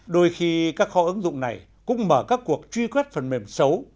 đôi khi các kho ứng dụng này cũng mở các cuộc truy quét phần mềm xấu